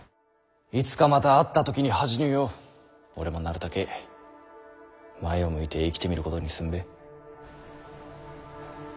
いつかまた会った時に恥じぬよう俺もなるたけ前を向いて生きてみることにすんべぇ。